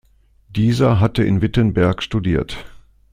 Dieser hatte in Wittenberg studiert.